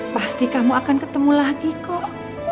pasti kamu akan ketemu lagi kok